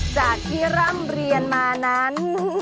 จากที่ร่ำเรียนมานั้น